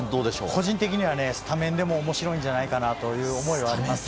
個人的にはね、スタメンでもおもしろいんじゃないかなという思いはありますね。